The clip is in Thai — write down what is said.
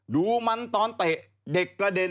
ดูมันตอนเตะเด็กกระเด็น